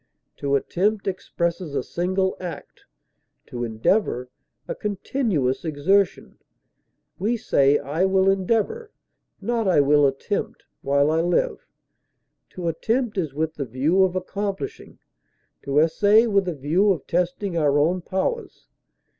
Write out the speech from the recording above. To attempt expresses a single act; to endeavor, a continuous exertion; we say I will endeavor (not I will attempt) while I live. To attempt is with the view of accomplishing; to essay, with a view of testing our own powers.